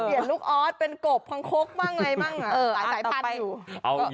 เปลี่ยนลูกออสเป็นโกบพังคกบ้างอะไรบ้าง